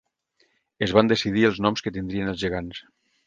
Es van decidir els noms que tindrien els gegants.